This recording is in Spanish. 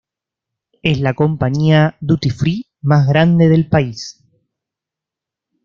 Es la compañía duty-free más grande del país.